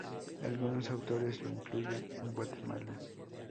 Algunos autores lo incluyen en Guatemala.